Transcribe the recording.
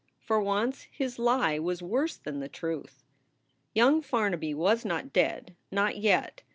For once his lie was worse than the truth. Young Farnaby was not dead not yet.